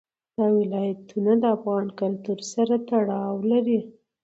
دا ولایتونه له افغان کلتور سره تړاو لري.